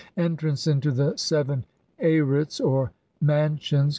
Entrance into the seven Arits or man sions (see p.